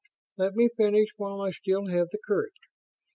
"Let me finish while I still have the courage."